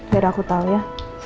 biar aku tahu ya